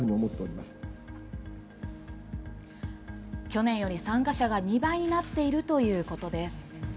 去年より参加者が２倍になっているということです。